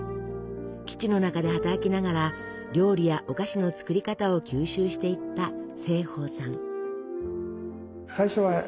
基地の中で働きながら料理やお菓子の作り方を吸収していった盛保さん。